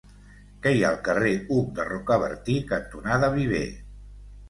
Què hi ha al carrer Hug de Rocabertí cantonada Viver?